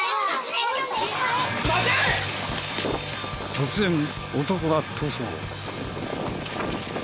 突然男が逃走。